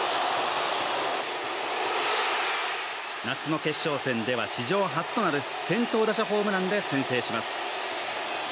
夏の決勝戦では史上初となる先頭打者ホームランで先制します。